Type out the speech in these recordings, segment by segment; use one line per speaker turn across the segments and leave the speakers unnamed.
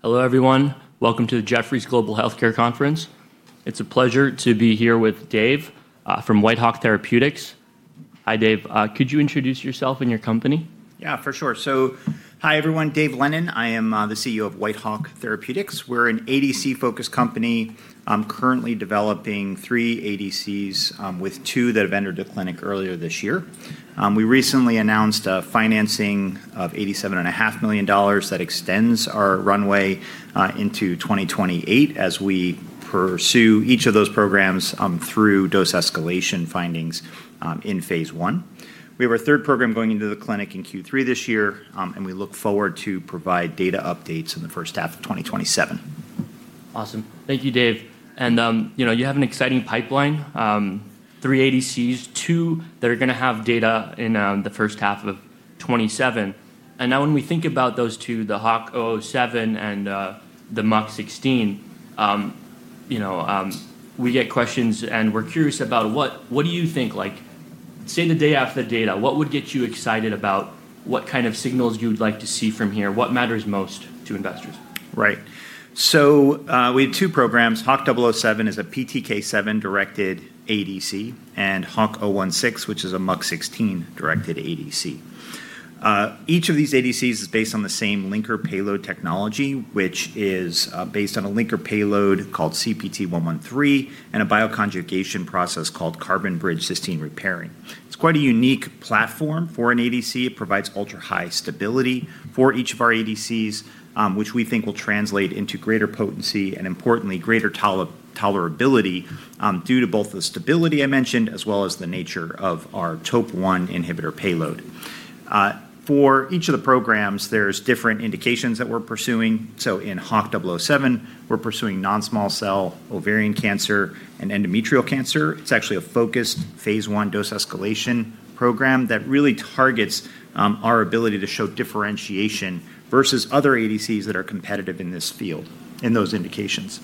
Hello, everyone. Welcome to the Jefferies Global Healthcare Conference. It's a pleasure to be here with Dave from Whitehawk Therapeutics. Hi, Dave. Could you introduce yourself and your company?
Yeah, for sure. Hi, everyone. Dave Lennon. I am the Chief Executive Officer of Whitehawk Therapeutics. We're an ADC-focused company currently developing three ADCs with two that have entered the clinic earlier this year. We recently announced a financing of $87.5 million that extends our runway into 2028 as we pursue each of those programs through dose escalation findings in phase I. We have our third program going into the clinic in Q3 this year, and we look forward to provide data updates in the first half of 2027.
Awesome. Thank you, Dave. You have an exciting pipeline, three ADCs, two that are going to have data in the first half of 2027. Now when we think about those two, the HWK-007 and the MUC16, we get questions and we're curious about what do you think, say the day after the data, what would get you excited about what kind of signals you'd like to see from here? What matters most to investors?
Right. We had two programs. HWK-007 is a PTK7-directed ADC, and HWK-016, which is a MUC16-directed ADC. Each of these ADCs is based on the same linker payload technology, which is based on a linker payload called CPT113 and a bioconjugation process called Carbon Bridge Cysteine Re-pairing. It's quite a unique platform for an ADC. It provides ultra-high stability for each of our ADCs, which we think will translate into greater potency and importantly, greater tolerability due to both the stability I mentioned, as well as the nature of our TOP1 inhibitor payload. For each of the programs, there's different indications that we're pursuing. In HWK-007, we're pursuing non-small cell ovarian cancer and endometrial cancer. It's actually a focused phase I dose escalation program that really targets our ability to show differentiation versus other ADCs that are competitive in this field in those indications.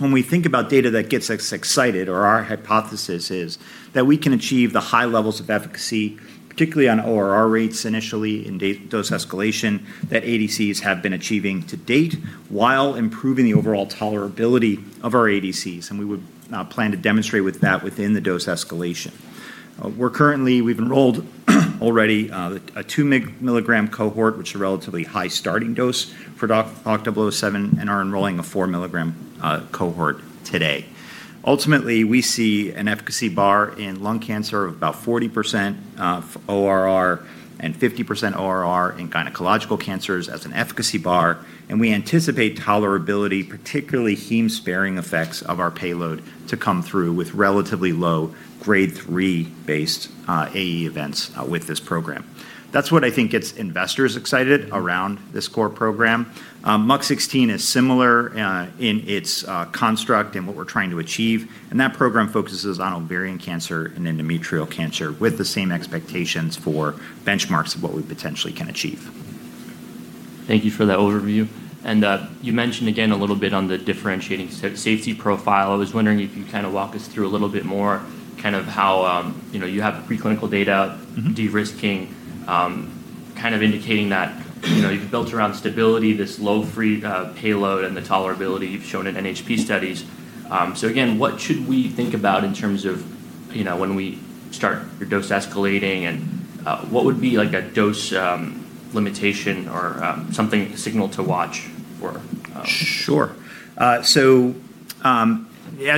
When we think about data that gets us excited or our hypothesis is that we can achieve the high levels of efficacy, particularly on ORR rates initially in dose escalation that ADCs have been achieving to date, while improving the overall tolerability of our ADCs, and we would plan to demonstrate with that within the dose escalation. We've enrolled already a two-milligram cohort, which is a relatively high starting dose for HWK-007 and are enrolling a four-milligram cohort today. Ultimately, we see an efficacy bar in lung cancer of about 40% ORR and 50% ORR in gynecological cancers as an efficacy bar, and we anticipate tolerability, particularly heme-sparing effects of our payload to come through with relatively low Grade 3 based AE events with this program. That's what I think gets investors excited around this core program. MUC16 is similar in its construct and what we're trying to achieve, and that program focuses on ovarian cancer and endometrial cancer with the same expectations for benchmarks of what we potentially can achieve.
Thank you for that overview. You mentioned again a little bit on the differentiating safety profile. I was wondering if you'd walk us through a little bit more how you have preclinical data? de-risking, indicating that you've built around stability, this low free payload, and the tolerability you've shown in NHP studies. Again, what should we think about in terms of when we start your dose escalating and what would be a dose limitation or something signal to watch for?
Sure. As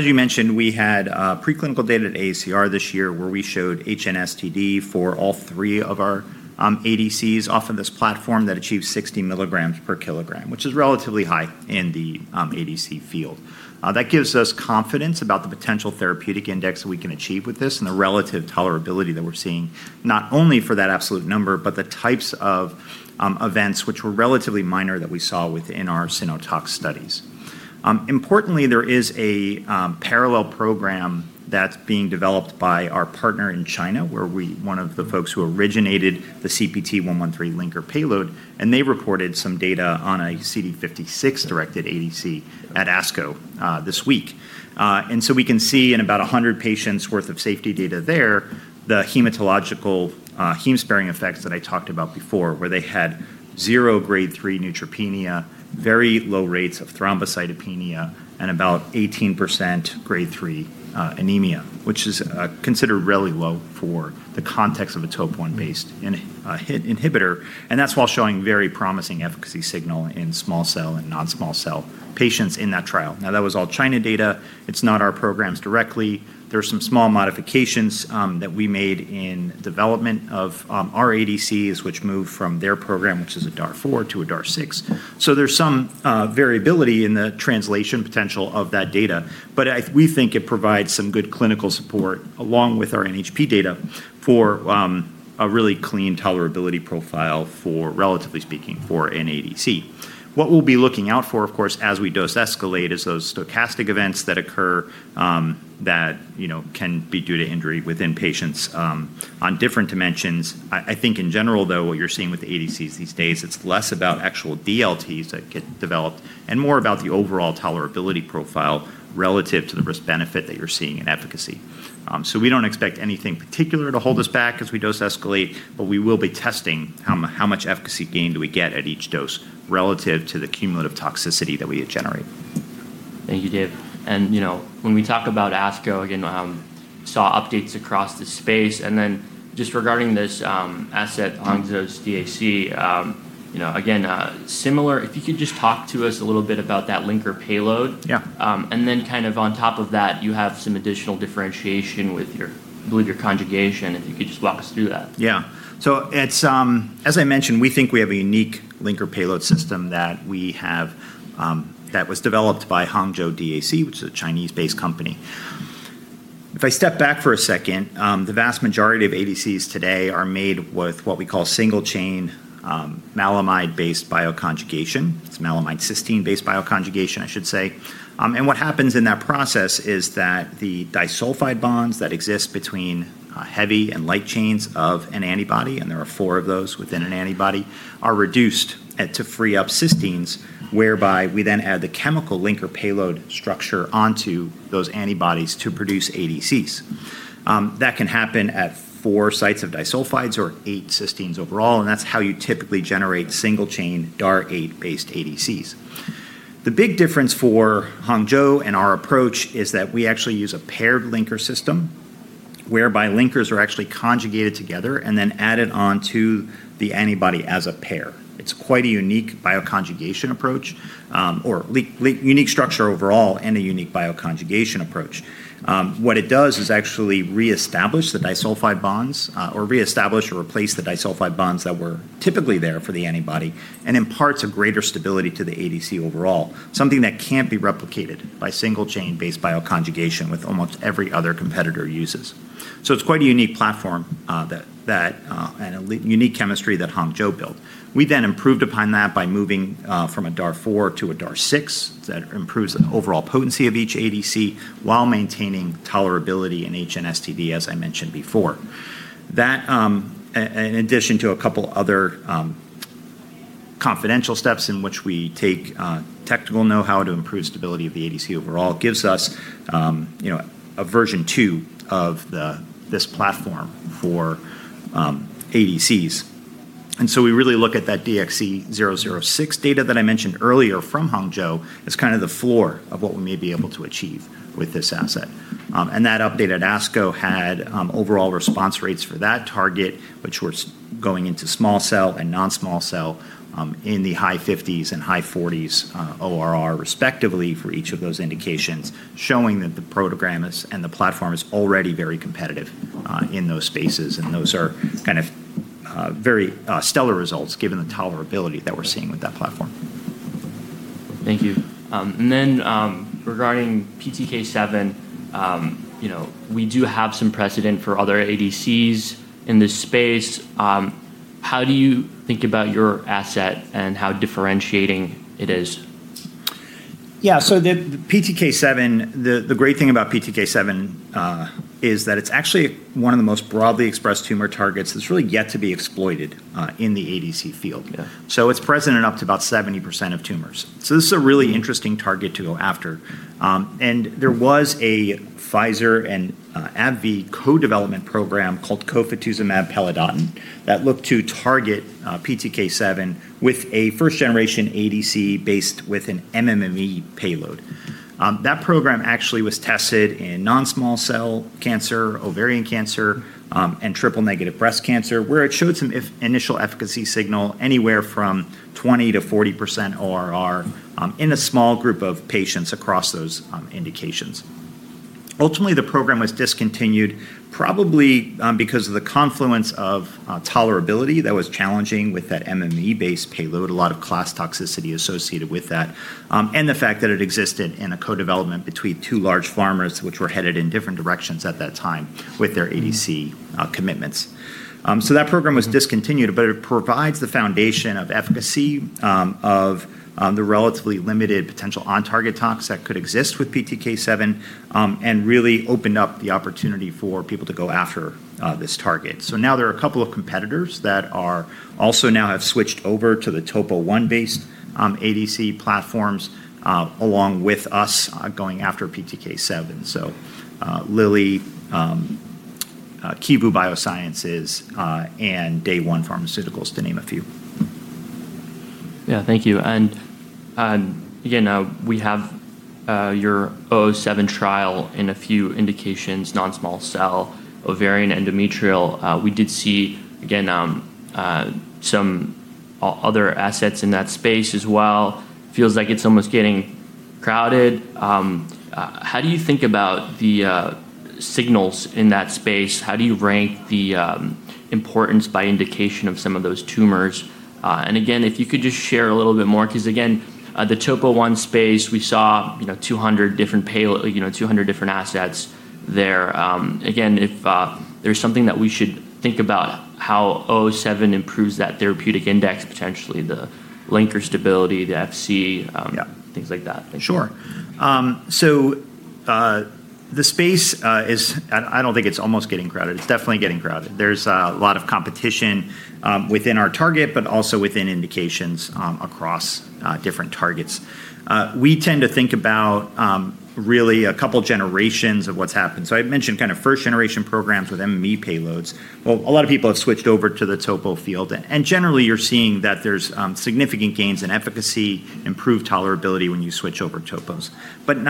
you mentioned, we had preclinical data at AACR this year where we showed HNSTD for all three of our ADCs off of this platform that achieved 60 mg/kg, which is relatively high in the ADC field. That gives us confidence about the potential therapeutic index that we can achieve with this and the relative tolerability that we're seeing, not only for that absolute number, but the types of events which were relatively minor that we saw within our cyno tox studies. Importantly, there is a parallel program that's being developed by our partner in China where one of the folks who originated the CPT113 linker payload. They reported some data on a CD56-directed ADC at ASCO this week. We can see in about 100 patients' worth of safety data there, the hematological heme-sparing effects that I talked about before, where they had zero Grade 3 neutropenia, very low rates of thrombocytopenia, and about 18% Grade 3 anemia, which is considered really low for the context of a Top1-based inhibitor, and that's while showing very promising efficacy signal in small cell and non-small cell patients in that trial. That was all China data. It's not our programs directly. There are some small modifications that we made in development of our ADCs, which moved from their program, which is a DAR4 to a DAR6. There's some variability in the translation potential of that data. We think it provides some good clinical support along with our NHP data for a really clean tolerability profile, relatively speaking, for an ADC. What we'll be looking out for, of course, as we dose escalate, is those stochastic events that occur that can be due to injury within patients on different dimensions. I think in general, though, what you're seeing with ADCs these days, it's less about actual DLTs that get developed and more about the overall tolerability profile relative to the risk-benefit that you're seeing in efficacy. We don't expect anything particular to hold us back as we dose escalate, but we will be testing how much efficacy gain do we get at each dose relative to the cumulative toxicity that we generate.
Thank you, Dave. When we talk about ASCO, again, saw updates across the space, just regarding this asset, Hangzhou's DAC, again, similar, if you could just talk to us a little bit about that linker payload.
Yeah.
On top of that, you have some additional differentiation with, I believe, your conjugation, if you could just walk us through that.
As I mentioned, we think we have a unique linker payload system that was developed by Hangzhou DAC, which is a Chinese-based company. If I step back for a second, the vast majority of ADCs today are made with what we call single-chain maleimide-based bioconjugation. It's maleimide cysteine-based bioconjugation, I should say. What happens in that process is that the disulfide bonds that exist between heavy and light chains of an antibody, and there are four of those within an antibody, are reduced to free up cysteines, whereby we then add the chemical linker payload structure onto those antibodies to produce ADCs. That can happen at four sites of disulfides or eight cysteines overall, and that's how you typically generate single-chain DAR8-based ADCs. The big difference for Hangzhou and our approach is that we actually use a paired linker system, whereby linkers are actually conjugated together and then added onto the antibody as a pair. It's quite a unique bioconjugation approach, or unique structure overall, and a unique bioconjugation approach. What it does is actually reestablish the disulfide bonds, or reestablish or replace the disulfide bonds that were typically there for the antibody and imparts a greater stability to the ADC overall, something that can't be replicated by single-chain-based bioconjugation with almost every other competitor uses. It's quite a unique platform and a unique chemistry that Hangzhou built. We improved upon that by moving from a DAR4 to a DAR6. That improves the overall potency of each ADC while maintaining tolerability in HNSTD, as I mentioned before. That, in addition to a couple other confidential steps in which we take technical know-how to improve stability of the ADC overall, gives us a version two of this platform for ADCs. We really look at that DXC006 data that I mentioned earlier from Hangzhou as the floor of what we may be able to achieve with this asset. That update at ASCO had overall response rates for that target, which were going into small cell and non-small cell, in the high 50s and high 40s ORR respectively for each of those indications, showing that the program and the platform is already very competitive in those spaces. Those are very stellar results given the tolerability that we're seeing with that platform.
Thank you. Regarding PTK7, we do have some precedent for other ADCs in this space. How do you think about your asset and how differentiating it is?
The great thing about PTK7 is that it's actually one of the most broadly expressed tumor targets that's really yet to be exploited in the ADC field.
Yeah.
It's present in up to about 70% of tumors. This is a really interesting target to go after. There was a Pfizer and AbbVie co-development program called Cofetuzumab pelidotin that looked to target PTK7 with a first-generation ADC based with an MMAE payload. That program actually was tested in non-small cell cancer, ovarian cancer, and triple-negative breast cancer, where it showed some initial efficacy signal anywhere from 20%-40% ORR in a small group of patients across those indications. Ultimately, the program was discontinued, probably because of the confluence of tolerability that was challenging with that MMAE-based payload, a lot of class toxicity associated with that, and the fact that it existed in a co-development between two large pharmas, which were headed in different directions at that time with their ADC commitments. That program was discontinued, but it provides the foundation of efficacy of the relatively limited potential on-target tox that could exist with PTK7 and really opened up the opportunity for people to go after this target. Now there are a couple of competitors that also now have switched over to the Top1-based ADC platforms, along with us going after PTK7. Lilly, Qilu Pharmaceutical, and Day One Biopharmaceuticals to name a few.
Yeah. Thank you. We have your HWK-007 trial in a few indications, non-small cell, ovarian, endometrial. We did see, again, some other assets in that space as well. Feels like it's almost getting crowded. How do you think about the signals in that space? How do you rank the importance by indication of some of those tumors? If you could just share a little bit more, because again, the Top1 space, we saw 200 different assets there. If there's something that we should think about how HWK-007 improves that therapeutic index, potentially the linker stability, the Fc-
Yeah
Things like that. Thank you.
Sure. The space is. I don't think it's almost getting crowded. It's definitely getting crowded. There's a lot of competition within our target, also within indications across different targets. We tend to think about really a couple generations of what's happened. I mentioned first-generation programs with MMAE payloads. A lot of people have switched over to the Top1 field. Generally, you're seeing that there's significant gains in efficacy, improved tolerability when you switch over to Top1s.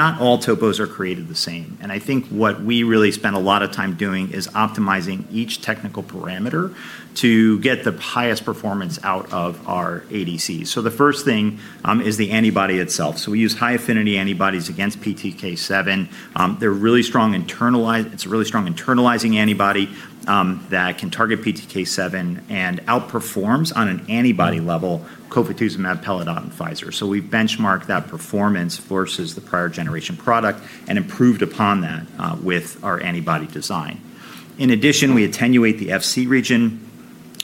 Not all Top1s are created the same. I think what we really spend a lot of time doing is optimizing each technical parameter to get the highest performance out of our ADCs. The first thing is the antibody itself. We use high-affinity antibodies against PTK7. It's a really strong internalizing antibody that can target PTK7 and outperforms on an antibody level, Cofetuzumab, pelidotin, and Pfizer. We benchmark that performance versus the prior generation product and improved upon that with our antibody design. In addition, we attenuate the Fc region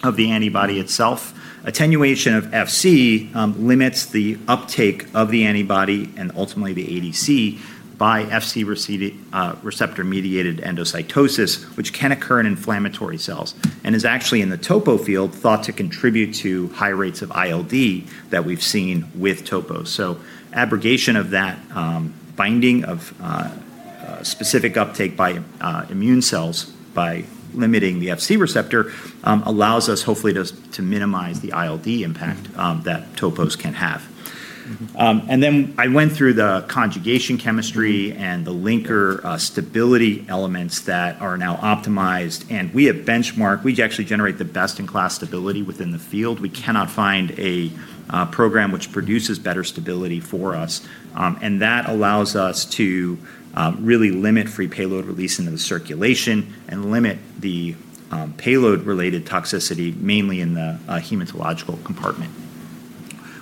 of the antibody itself. Attenuation of Fc limits the uptake of the antibody and ultimately the ADC by Fc receptor-mediated endocytosis, which can occur in inflammatory cells and is actually in the topo field, thought to contribute to high rates of ILD that we've seen with topos. Abrogation of that binding of specific uptake by immune cells by limiting the Fc receptor, allows us hopefully to minimize the ILD impact that topos can have. I went through the conjugation chemistry and the linker stability elements that are now optimized. We actually generate the best-in-class stability within the field. We cannot find a program which produces better stability for us, and that allows us to really limit free payload release into the circulation and limit the payload-related toxicity, mainly in the hematological compartment.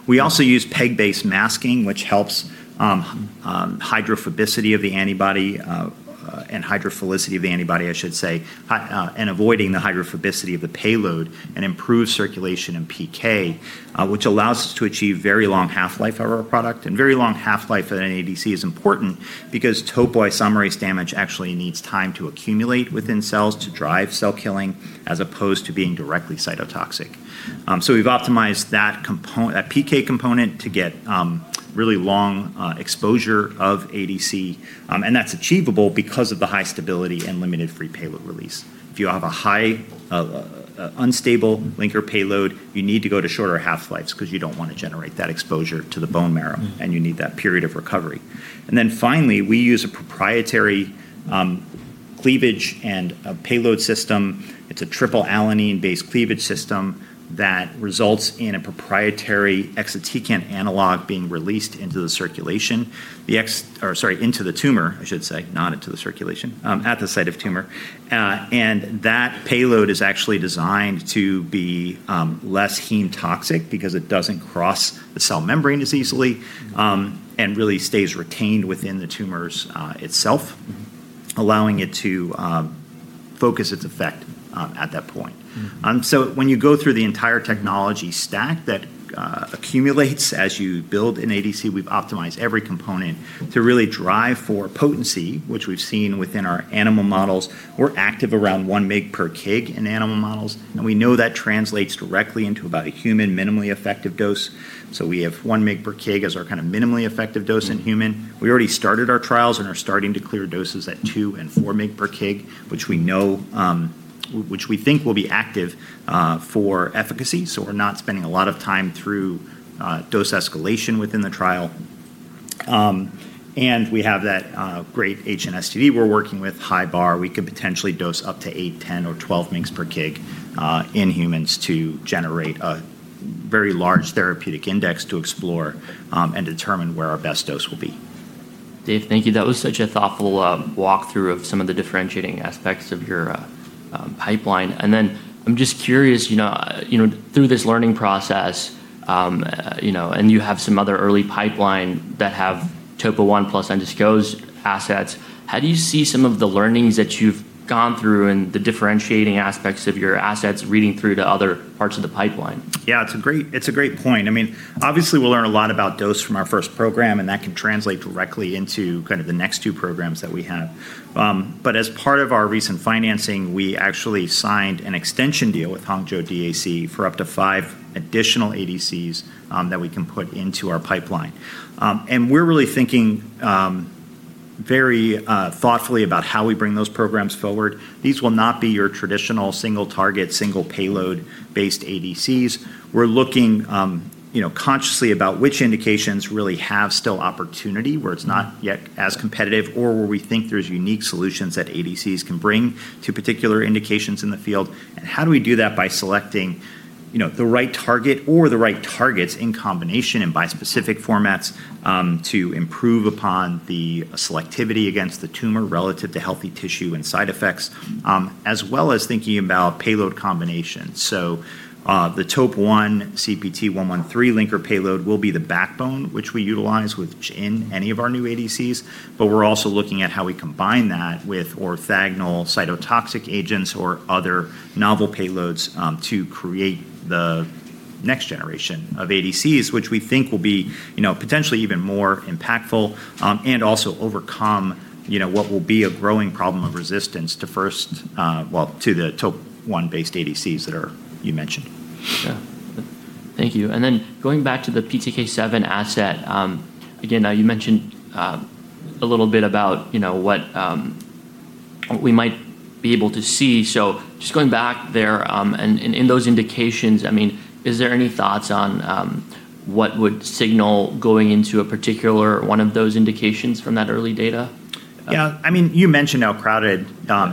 We also use PEG-based masking, which helps hydrophobicity of the antibody and hydrophilicity of the antibody, I should say, and avoiding the hydrophobicity of the payload and improve circulation in PK, which allows us to achieve very long half-life of our product. Very long half-life in an ADC is important because topoisomerase damage actually needs time to accumulate within cells to drive cell killing, as opposed to being directly cytotoxic. We've optimized that PK component to get really long exposure of ADC, and that's achievable because of the high stability and limited free payload release. If you have a high unstable linker payload, you need to go to shorter half-lives because you don't want to generate that exposure to the bone marrow, and you need that period of recovery. Finally, we use a proprietary cleavage and a payload system. It's a triple alanine-based cleavage system that results in a proprietary exatecan analog being released into the circulation, or sorry, into the tumor, I should say, not into the circulation, at the site of tumor. That payload is actually designed to be less heme toxic because it doesn't cross the cell membrane as easily and really stays retained within the tumors itself. allowing it to focus its effect at that point. When you go through the entire technology stack that accumulates as you build an ADC, we've optimized every component to really drive for potency, which we've seen within our animal models. We're active around one mg/kg in animal models, and we know that translates directly into about a human minimally effective dose. We have one mg/kg as our minimally effective dose in human. We already started our trials and are starting to clear doses at two and four mg/kg, which we think will be active for efficacy, so we're not spending a lot of time through dose escalation within the trial. We have that great HNSTD we're working with, high bar. We could potentially dose up to 8 milligrams per kg, 10 milligrams per kg, or 12 milligrams per kg in humans to generate a very large therapeutic index to explore and determine where our best dose will be.
Dave, thank you. That was such a thoughtful walkthrough of some of the differentiating aspects of your pipeline. I'm just curious, through this learning process, and you have some other early pipeline that have Top1 plus ADCs assets, how do you see some of the learnings that you've gone through and the differentiating aspects of your assets reading through to other parts of the pipeline?
Yeah, it's a great point. Obviously, we'll learn a lot about dose from our first program, and that can translate directly into the next two programs that we have. As part of our recent financing, we actually signed an extension deal with Hangzhou DAC for up to five additional ADCs that we can put into our pipeline. We're really thinking very thoughtfully about how we bring those programs forward. These will not be your traditional single target, single payload-based ADCs. We're looking consciously about which indications really have still opportunity, where it's not yet as competitive, or where we think there's unique solutions that ADCs can bring to particular indications in the field, and how do we do that by selecting the right target or the right targets in combination and by specific formats to improve upon the selectivity against the tumor relative to healthy tissue and side effects, as well as thinking about payload combinations. The Top1 CPT113 linker payload will be the backbone, which we utilize within any of our new ADCs, but we're also looking at how we combine that with orthogonal cytotoxic agents or other novel payloads to create the next generation of ADCs, which we think will be potentially even more impactful, and also overcome what will be a growing problem of resistance to the Top1-based ADCs that you mentioned.
Yeah. Thank you. Going back to the PTK7 asset, again, you mentioned a little bit about what we might be able to see. Just going back there, and in those indications, is there any thoughts on what would signal going into a particular one of those indications from that early data?
Yeah. You mentioned how crowded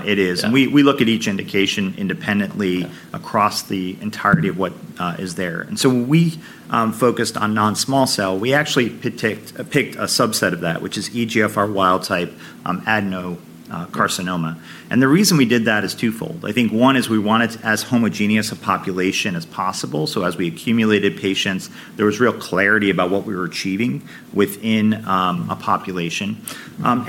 it is-
Yeah
We look at each indication independently.
Yeah
across the entirety of what is there. When we focused on non-small cell, we actually picked a subset of that, which is EGFR wild type adenocarcinoma. The reason we did that is twofold. I think one is we wanted as homogeneous a population as possible, so as we accumulated patients, there was real clarity about what we were achieving within a population.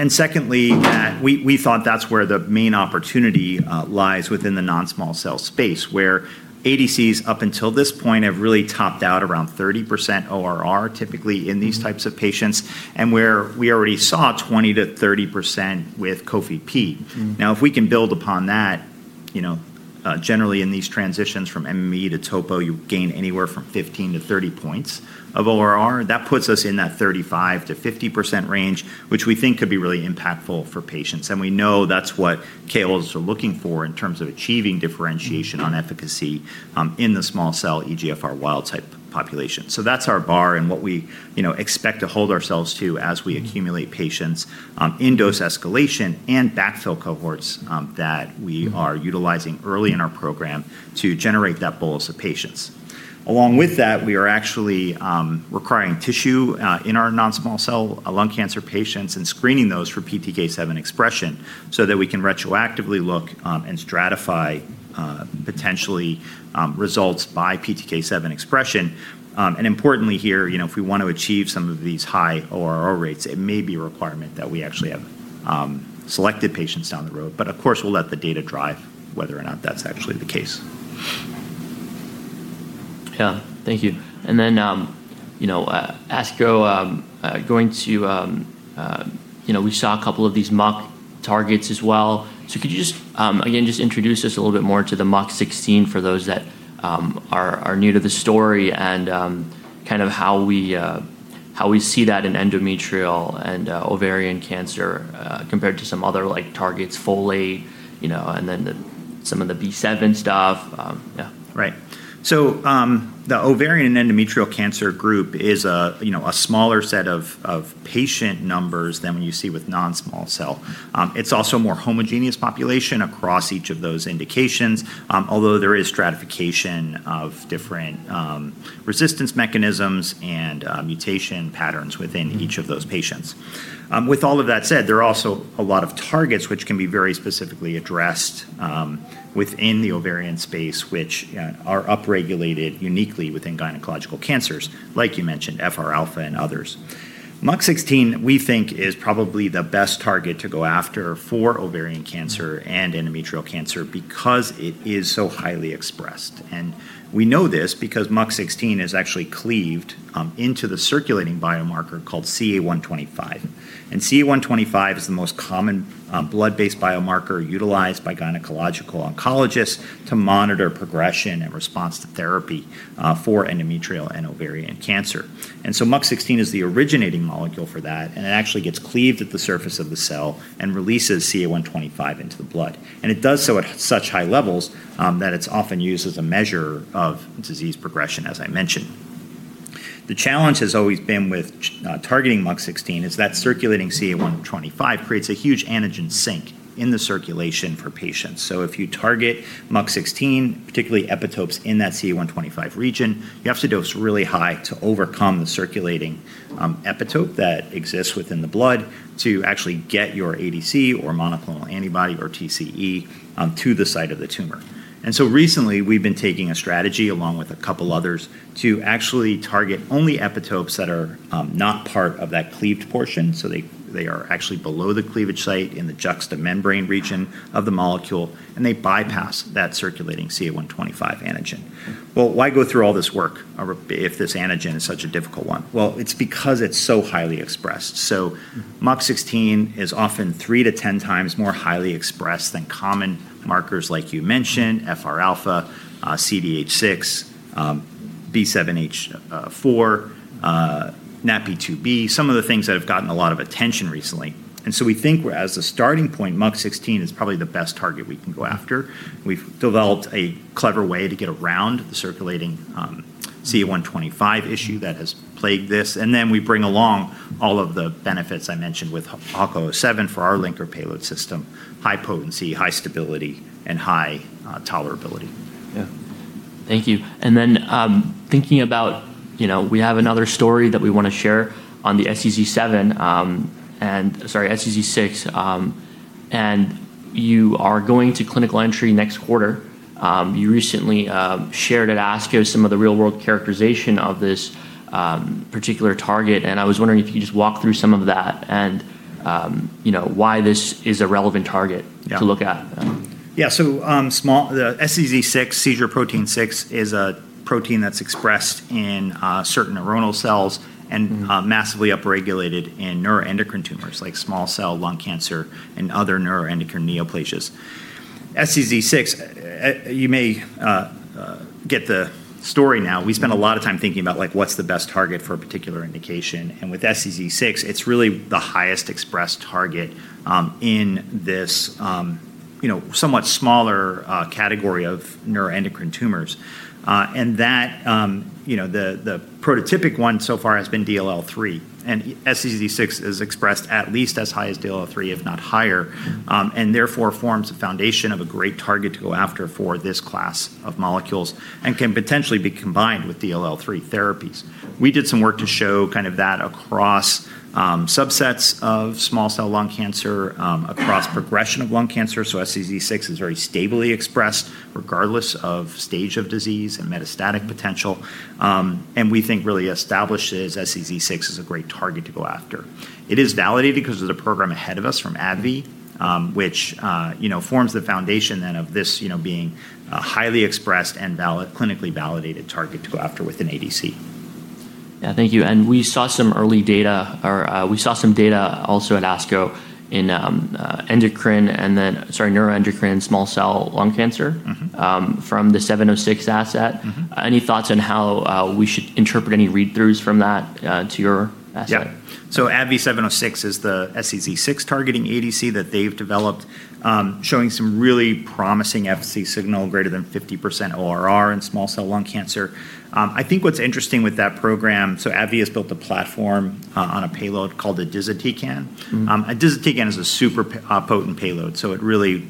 Secondly, that we thought that's where the main opportunity lies within the non-small cell space, where ADCs up until this point have really topped out around 30% ORR, typically in these types of patients, and where we already saw 20%-30% with Cofe-P. Now, if we can build upon that, generally in these transitions from MMAE to Top1, you gain anywhere from 15 points-30 points of ORR. That puts us in that 35%-50% range, which we think could be really impactful for patients. We know that's what KOLs are looking for in terms of achieving differentiation on efficacy in the small cell EGFR wild type population. That's our bar and what we expect to hold ourselves to as we accumulate patients in dose escalation and backfill cohorts that we are utilizing early in our program to generate that bolus of patients. Along with that, we are actually requiring tissue in our non-small cell lung cancer patients and screening those for PTK7 expression, so that we can retroactively look and stratify potentially results by PTK7 expression. Importantly here, if we want to achieve some of these high ORR rates, it may be a requirement that we actually have selected patients down the road. Of course, we'll let the data drive whether or not that's actually the case.
Yeah. Thank you. ASCO, we saw a couple of these MUC targets as well. Could you just, again, just introduce us a little bit more to the MUC16 for those that are new to the story and how we see that in endometrial and ovarian cancer, compared to some other targets, FOLR1, and some of the B7 stuff? Yeah.
Right. The ovarian and endometrial cancer group is a smaller set of patient numbers than what you see with non-small cell. It's also a more homogeneous population across each of those indications, although there is stratification of different resistance mechanisms and mutation patterns within each of those patients. With all of that said, there are also a lot of targets which can be very specifically addressed within the ovarian space, which are upregulated uniquely within gynecological cancers, like you mentioned, FRα and others. MUC16, we think, is probably the best target to go after for ovarian cancer and endometrial cancer because it is so highly expressed. We know this because MUC16 is actually cleaved into the circulating biomarker called CA125. CA125 is the most common blood-based biomarker utilized by gynecological oncologists to monitor progression and response to therapy for endometrial and ovarian cancer. MUC16 is the originating molecule for that, and it actually gets cleaved at the surface of the cell and releases CA125 into the blood. It does so at such high levels that it's often used as a measure of disease progression, as I mentioned. The challenge has always been with targeting MUC16, is that circulating CA125 creates a huge antigen sink in the circulation for patients. If you target MUC16, particularly epitopes in that CA125 region, you have to dose really high to overcome the circulating epitope that exists within the blood to actually get your ADC or monoclonal antibody or TCE to the site of the tumor. Recently, we've been taking a strategy along with a couple others to actually target only epitopes that are not part of that cleaved portion, so they are actually below the cleavage site in the juxtamembrane region of the molecule, and they bypass that circulating CA125 antigen. Well, why go through all this work if this antigen is such a difficult one? Well, it's because it's so highly expressed. MUC16 is often three to 10 times more highly expressed than common markers, like you mentioned, FRα, CDH6, B7H4, NaPi2b, some of the things that have gotten a lot of attention recently. We think as a starting point, MUC16 is probably the best target we can go after. We've developed a clever way to get around the circulating CA125 issue that has plagued this, and then we bring along all of the benefits I mentioned with HWK-007 for our linker payload system, high potency, high stability, and high tolerability.
Yeah. Thank you. We have another story that we want to share on the SEZ6, and you are going to clinical entry next quarter. You recently shared at ASCO some of the real-world characterization of this particular target, and I was wondering if you could just walk through some of that and why this is a relevant target?
Yeah
to look at.
Yeah. The SEZ6, seizure protein six, is a protein that's expressed in certain neuronal cells and massively upregulated in neuroendocrine tumors like small cell lung cancer and other neuroendocrine neoplasias. SEZ6, you may get the story now, we spend a lot of time thinking about what's the best target for a particular indication, and with SEZ6, it's really the highest expressed target in this somewhat smaller category of neuroendocrine tumors. The prototypic one so far has been DLL3, and SEZ6 is expressed at least as high as DLL3, if not higher, and therefore forms a foundation of a great target to go after for this class of molecules and can potentially be combined with DLL3 therapies. We did some work to show that across subsets of small cell lung cancer, across progression of lung cancer, so SEZ6 is very stably expressed regardless of stage of disease and metastatic potential. We think really establishes SEZ6 as a great target to go after. It is validated because of the program ahead of us from AbbVie, which forms the foundation then of this being a highly expressed and clinically validated target to go after with an ADC.
Yeah, thank you. We saw some data also at ASCO in endocrine and then, sorry, neuroendocrine small cell lung cancer. from the 706 asset. Any thoughts on how we should interpret any read-throughs from that to your asset?
Yeah. ABBV-706 is the SEZ6-targeting ADC that they've developed, showing some really promising efficacy signal, greater than 50% ORR in small cell lung cancer. I think what's interesting with that program, AbbVie has built a platform on a payload called the exatecan. Exatecan is a super potent payload, so it really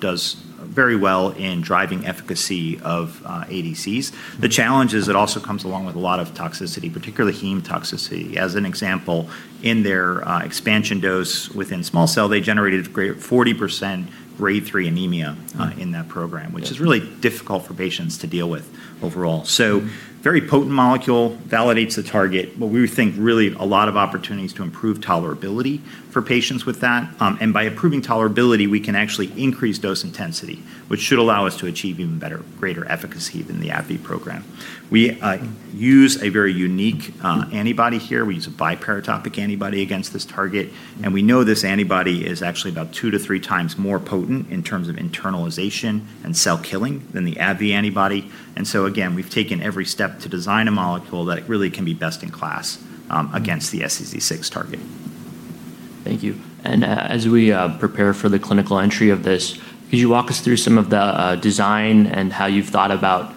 does very well in driving efficacy of ADCs. The challenge is it also comes along with a lot of toxicity, particularly heme toxicity. As an example, in their expansion dose within small cell, they generated 40% Grade 3 anemia in that program, which is really difficult for patients to deal with overall. Very potent molecule, validates the target, but we would think really a lot of opportunities to improve tolerability for patients with that. By improving tolerability, we can actually increase dose intensity, which should allow us to achieve even greater efficacy than the AbbVie program. We use a very unique antibody here. We use a biparatopic antibody against this target, and we know this antibody is actually about 2x-3x more potent in terms of internalization and cell killing than the AbbVie antibody. Again, we've taken every step to design a molecule that really can be best in class against the SEZ6 target.
Thank you. As we prepare for the clinical entry of this, could you walk us through some of the design and how you've thought about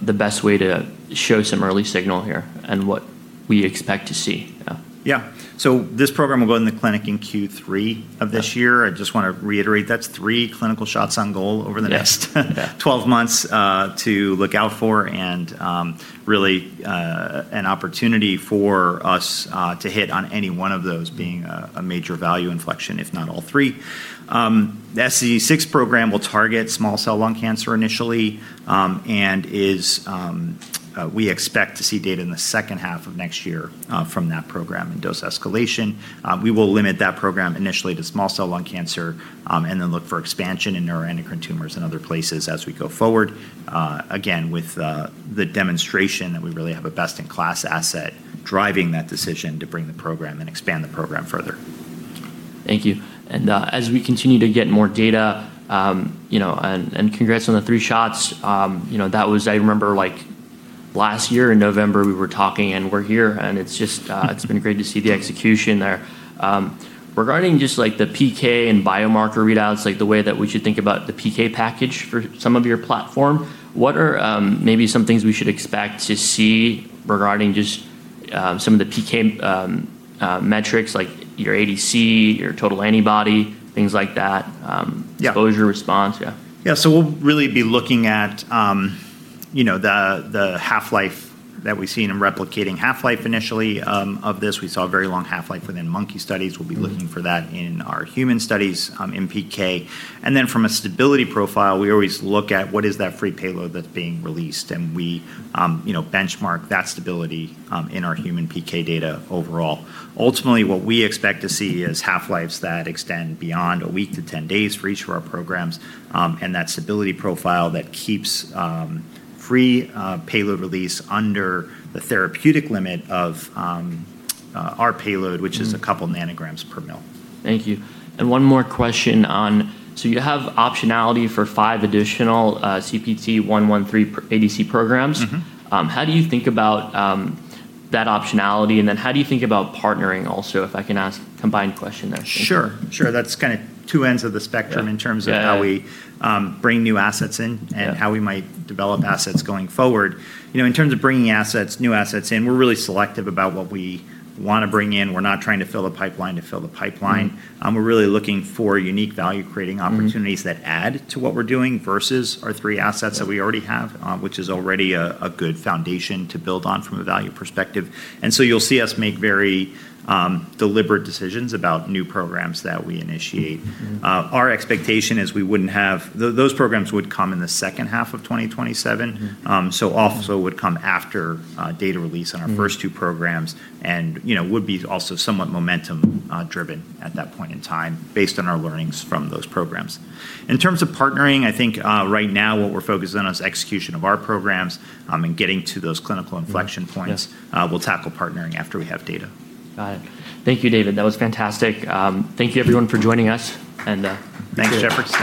the best way to show some early signal here, and what we expect to see? Yeah.
Yeah. This program will go in the clinic in Q3 of this year. I just want to reiterate, that's three clinical shots on goal over the next 12 months to look out for, and really an opportunity for us to hit on any one of those being a major value inflection, if not all three. The SEZ6 program will target small cell lung cancer initially, and we expect to see data in the second half of next year from that program in dose escalation. We will limit that program initially to small cell lung cancer, and then look for expansion in neuroendocrine tumors and other places as we go forward. Again, with the demonstration that we really have a best-in-class asset driving that decision to bring the program and expand the program further.
Thank you. As we continue to get more data, and congrats on the three shots. I remember last year in November we were talking, and we're here, and it's been great to see the execution there. Regarding just the PK and biomarker readouts, the way that we should think about the PK package for some of your platform, what are maybe some things we should expect to see regarding just some of the PK metrics, like your ADC, your total antibody, things like that.
Yeah
Exposure response? Yeah.
Yeah. We'll really be looking at the half-life that we see and replicating half-life initially of this. We saw a very long half-life within monkey studies. We'll be looking for that in our human studies in PK. From a stability profile, we always look at what is that free payload that's being released, and we benchmark that stability in our human PK data overall. Ultimately, what we expect to see is half-lives that extend beyond a week to 10 days for each of our programs, and that stability profile that keeps free payload release under the therapeutic limit of our payload, which is a couple nanograms per mil.
Thank you. One more question on, you have optionality for five additional CPT113 ADC programs. How do you think about that optionality, and then how do you think about partnering also, if I can ask a combined question there?
Sure. Sure. That's two ends of the spectrum in terms of how we bring new assets in and how we might develop assets going forward. In terms of bringing new assets in, we're really selective about what we want to bring in. We're not trying to fill the pipeline to fill the pipeline. We're really looking for unique value-creating opportunities that add to what we're doing versus our three assets that we already have, which is already a good foundation to build on from a value perspective. You'll see us make very deliberate decisions about new programs that we initiate. Our expectation is those programs would come in the second half of 2027. Also would come after data release on our first two programs and would be also somewhat momentum-driven at that point in time based on our learnings from those programs. In terms of partnering, I think right now what we're focused on is execution of our programs, and getting to those clinical inflection points.
Yes.
We'll tackle partnering after we have data.
Got it. Thank you, Dave. That was fantastic. Thank you everyone for joining us.
Thanks, Shepard. Thanks.